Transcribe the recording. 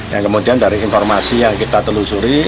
yang kemudian dari informasi yang kita telusuri